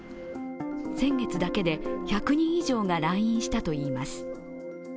先月だけで、１００人以上が来院したといいます。